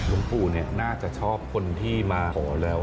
ปู่น่าจะชอบคนที่มาขอแล้ว